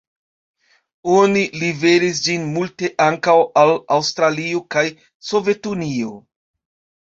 Oni liveris ĝin multe ankaŭ al Aŭstralio kaj Sovetunio.